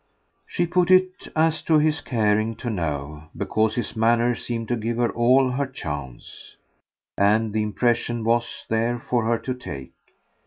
She put it as to his caring to know, because his manner seemed to give her all her chance, and the impression was there for her to take.